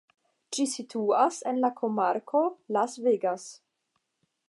Ĝi situas en la komarko Las Vegas.